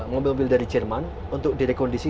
mobil mobil dari jerman untuk direkondisi